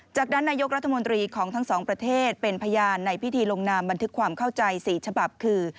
จากนั้นนายกรัฐมนตรีของทั้งสองประเทศเป็นพยานในพิธีลงนามบันทึกความเข้าใจ๔ฉบับคือ